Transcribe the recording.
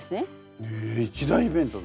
へえ一大イベントだ！